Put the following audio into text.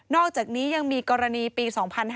อกจากนี้ยังมีกรณีปี๒๕๕๙